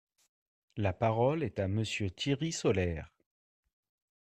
La parole est à Monsieur Thierry Solère.